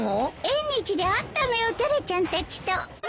縁日で会ったのよタラちゃんたちと。